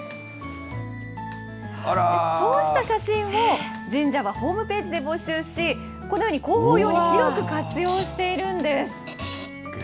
そうした写真を、神社はホームページで募集し、このように広報用に広く活用しているんです。